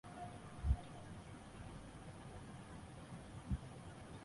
安宁薹草为莎草科薹草属下的一个种。